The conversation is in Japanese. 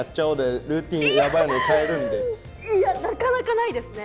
いやなかなかないですね。